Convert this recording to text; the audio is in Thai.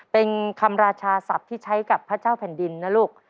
เป็นคำราชาศัพท์ที่ใช้กับพระเจ้าแผ่นดินนะลูก